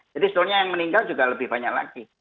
jadi setelahnya yang meninggal juga lebih banyak lagi